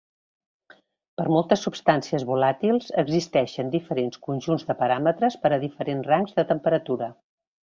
Per moltes substàncies volàtils existeixen diferents conjunts de paràmetres per a diferents rangs de temperatura.